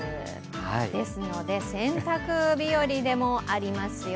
ですので洗濯日和でもありますよ。